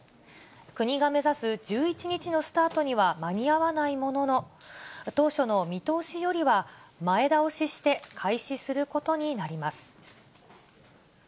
国が目指す１１日のスタートには間に合わないものの、当初の見通しよりは前倒しして開始することになります。